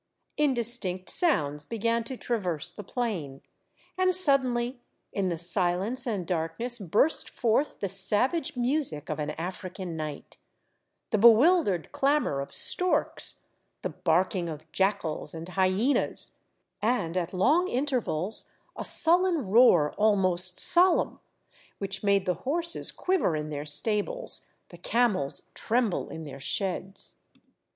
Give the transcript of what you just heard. Indistinct sounds began to traverse the plain, and suddenly in the silence and darkness burst forth the savage music of an African night, — the bewildered clamor of storks, the barking of jackals and hyenas, and at long intervals a sullen roar almost solemn, which made the horses quiver in their stables, the camels tremble in their sheds.